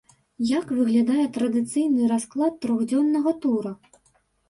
Як выглядае традыцыйны расклад трохдзённага тура?